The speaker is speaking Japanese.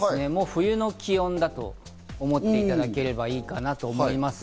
冬の気温だと思っていただければいいかなと思います。